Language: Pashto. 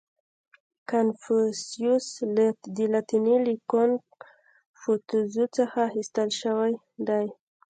• کنفوسیوس د لاتیني له کونګ فو تزو څخه اخیستل شوی دی.